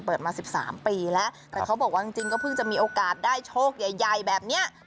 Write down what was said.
มา๑๓ปีแล้วแต่เขาบอกว่าจริงก็เพิ่งจะมีโอกาสได้โชคใหญ่แบบนี้